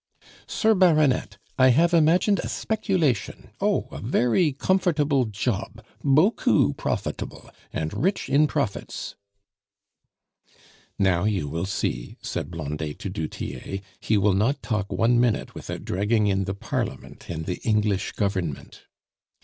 "Sir Baronet, I have imagined a speculation oh! a very comfortable job bocou profitable and rich in profits " "Now you will see," said Blondet to du Tillet, "he will not talk one minute without dragging in the Parliament and the English Government."